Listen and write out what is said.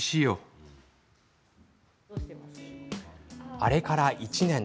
あれから１年。